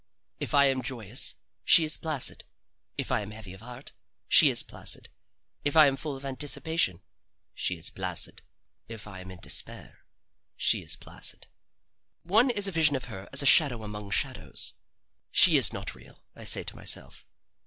If I am joyous, she is placid; if I am heavy of heart, she is placid; if I am full of anticipation, she is placid; if I am in despair, she is placid. One is a vision of her as a shadow among shadows. She is not real, I say to myself.